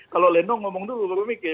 kalau lenong ngomong dulu baru mikir